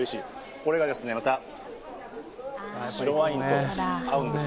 これがまた白ワインと合うんです。